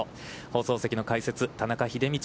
放送席の解説、田中秀道